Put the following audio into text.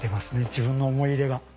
自分の思い入れが。